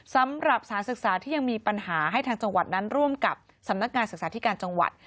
สำหรับสารศึกษาที่ยังมีปัญหาให้ทางจังหวัดนั้นร่วมกับสำนักงานศึกษาธิการจังหวัด